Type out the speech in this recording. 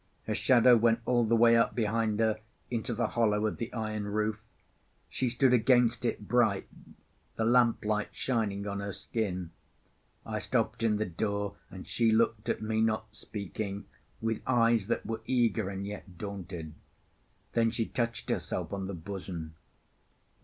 Her shadow went all the way up behind her into the hollow of the iron roof; she stood against it bright, the lamplight shining on her skin. I stopped in the door, and she looked at me, not speaking, with eyes that were eager and yet daunted; then she touched herself on the bosom.